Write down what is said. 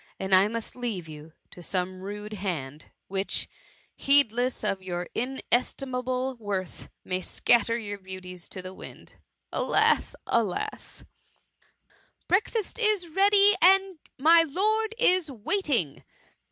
and must I leave you to some rude hand, which, heedless of your in estimable worth, may scatter your beauties to the winds ? Alas ! alas T " Breakfast is ready, and my lord is wait ing